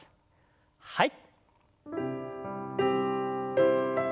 はい。